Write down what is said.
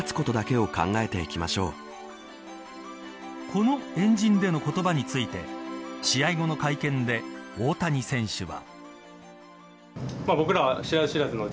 この円陣での言葉について試合後の会見で大谷選手は。